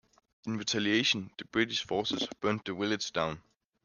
In retaliation, British forces burnt the village down.